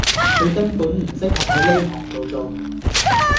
佢根本唔適合喺呢行到做